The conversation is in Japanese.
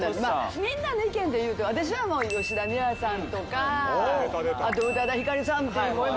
みんなの意見でいうと私は吉田美和さんとか宇多田ヒカルさんっていう声も。